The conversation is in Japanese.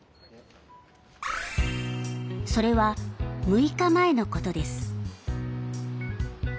それは６日前のことです。